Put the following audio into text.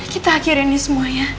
kita akhirin nih semuanya